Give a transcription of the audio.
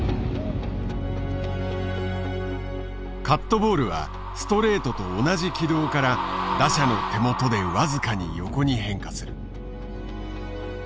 カットボールはストレートと同じ軌道から打者の手元で僅かに横に変化する。